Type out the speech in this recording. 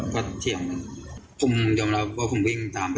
ก็เฉียงคุมยอมรับว่าคุมวิ่งตามไป